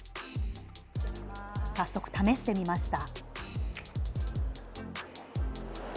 早速、試してみました。